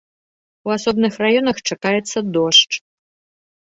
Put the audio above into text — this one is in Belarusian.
У асобных раёнах чакаецца дождж.